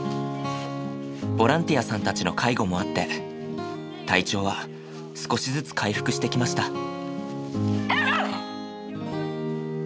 ボランティアさんたちの介護もあって体調は少しずつ回復してきました。